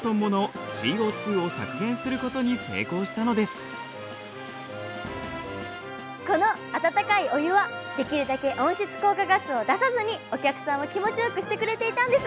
これによってホテルはこの温かいお湯はできるだけ温室効果ガスを出さずにお客さんを気持ちよくしてくれていたんです。